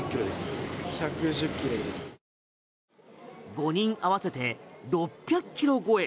５人合わせて６００ｋｇ超え。